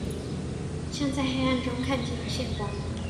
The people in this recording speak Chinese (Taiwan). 像在黑暗中看見一線光芒